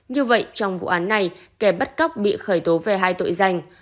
như vậy trong vụ án này kẻ bắt cóc bị khởi tố về hai tội danh